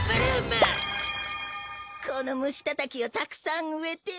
このムシタタキをたくさんうえて。